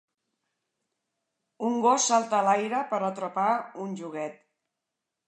Un gos salta a l'aire per atrapar un joguet.